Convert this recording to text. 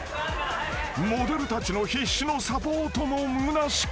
［モデルたちの必死のサポートもむなしく］